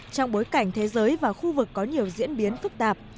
trong bối cảnh thế giới và khu vực có nhiều diễn biến phức tạp